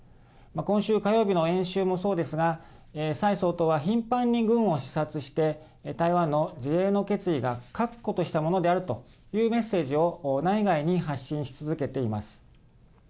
今週火曜日の演習もそうですが蔡総統は、頻繁に軍を視察して台湾の自衛の決意が確固としたものであるというメッセージを内外に発信し続けています。